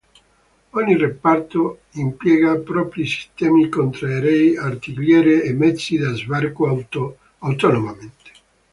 Ogni reparto impiega propri sistemi contraerei, artiglierie e mezzi da sbarco autonomamente.